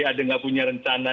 ada nggak punya rencana